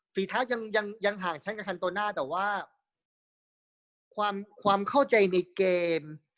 ฝีเท้ายังห่างชั้นกับคันโตน่าแต่ว่าความเข้าใจในเกม